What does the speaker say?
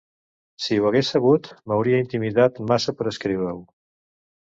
Si ho hagués sabut, m'hauria intimidat massa per escriure-ho.